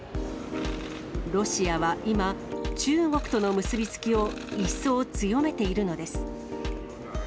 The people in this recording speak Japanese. ロシアは今、中国との結び付きを一層強めているのです。